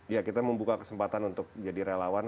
ya kita membuka kesempatan untuk jadi relawan